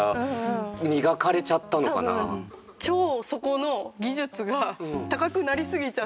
超そこの技術が高くなりすぎちゃって。